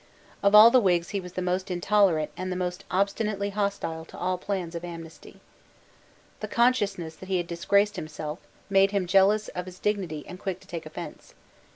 Of all the Whigs he was the most intolerant and the most obstinately hostile to all plans of amnesty. The consciousness that he had disgraced himself made him jealous of his dignity and quick to take offence.